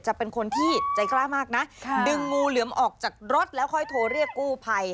จะเป็นคนที่ใจกล้ามากนะดึงงูเหลือมออกจากรถแล้วค่อยโทรเรียกกู้ภัย